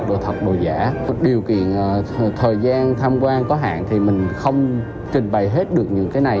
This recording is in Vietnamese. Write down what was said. độ thập đồ giả điều kiện thời gian tham quan có hạn thì mình không trình bày hết được những cái này